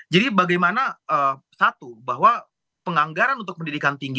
bagaimana satu bahwa penganggaran untuk pendidikan tinggi